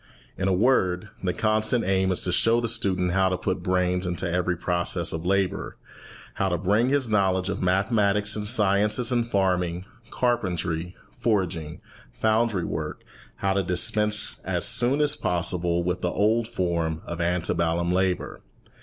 In a word, the constant aim is to show the student how to put brains into every process of labour, how to bring his knowledge of mathematics and the sciences in farming, carpentry, forging, foundry work, how to dispense as soon as possible with the old form of ante bellum labour.